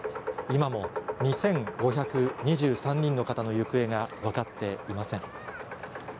今も２５２３人の方の行方が分かっていません。